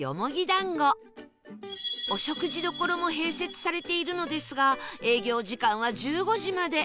お食事処も併設されているのですが営業時間は１５時まで